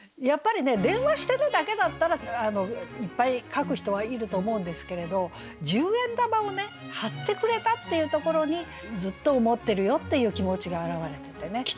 やっぱりね「電話してね」だけだったらいっぱい書く人はいると思うんですけれど十円玉を貼ってくれたっていうところにずっと思ってるよっていう気持ちが表れててね